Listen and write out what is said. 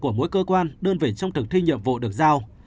của mỗi cơ quan đơn vị trong thực thi nhiệm vụ được giao